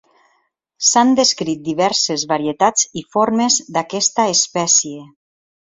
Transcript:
S'han descrit diverses varietats i formes d'aquesta espècie.